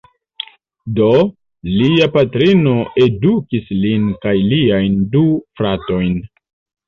Do, lia patrino edukis lin kaj liajn du fratojn.